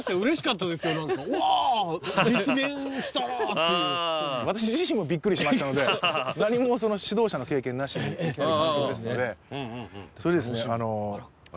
何かうわ実現したなっていう私自身もビックリしましたので何も指導者の経験なしにいきなり監督ですのでそれでですね有吉さん